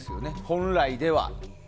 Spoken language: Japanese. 本来では。